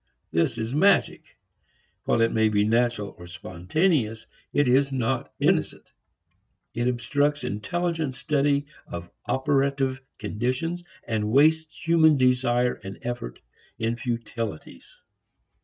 This is magic; while it may be natural or spontaneous, it is not innocent. It obstructs intelligent study of operative conditions and wastes human desire and effort in futilities.